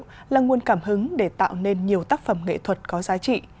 điện biên phủ là nguồn cảm hứng để tạo nên nhiều tác phẩm nghệ thuật có giá trị